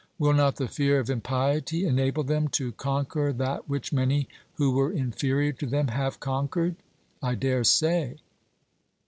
Will not the fear of impiety enable them to conquer that which many who were inferior to them have conquered? 'I dare say.'